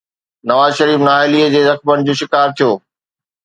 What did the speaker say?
نواز شريف نااهليءَ جي زخمن جو شڪار ٿيو.